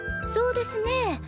そうですね。